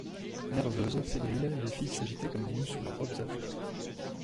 Nerveuses, fébriles, les filles s'agitaient comme nues sous leurs robes à fleurs.